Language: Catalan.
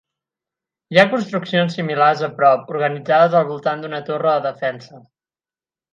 Hi ha construccions similars a prop, organitzades al voltant d'una torre de defensa.